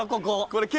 ここ。